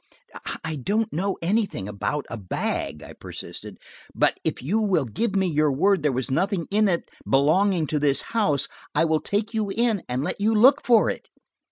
"I don't know anything about a bag," I persisted, "but if you will give me your word there was nothing in it belonging to this house, I will take you in and let you look for it."